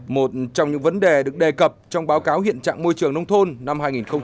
một trong những vấn đề được đề cập trong báo cáo hiện trạng môi trường nông thôn năm hai nghìn một mươi chín